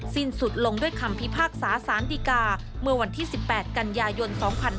สิ้นสุดลงด้วยคำพิพากษาสารดีกาเมื่อวันที่๑๘กันยายน๒๕๕๙